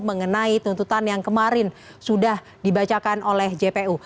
mengenai tuntutan yang kemarin sudah dibacakan oleh jpu